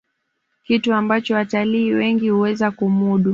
kitu ambacho watalii wengi huweza kumudu